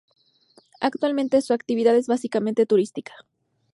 Actualmente su actividad es básicamente turística.